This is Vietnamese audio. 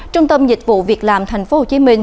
trung tâm dịch vụ việc làm tp hcm